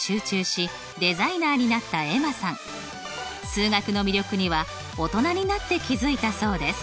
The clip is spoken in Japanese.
数学の魅力には大人になって気付いたそうです。